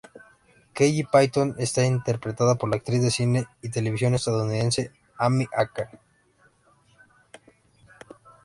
Kelly Payton está interpretada por la actriz de cine y televisión estadounidense Amy Acker.